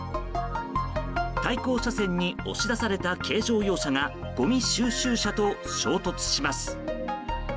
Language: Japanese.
対向車線に押し出された軽乗用車がごみ収集車と衝突します。